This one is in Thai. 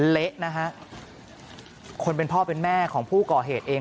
เละนะฮะคนเป็นพ่อเป็นแม่ของผู้ก่อเหตุเอง